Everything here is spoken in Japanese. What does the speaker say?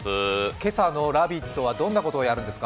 今朝の「ラヴィット！」はどんなことをやるんですか。